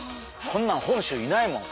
こんなん本州いないもん！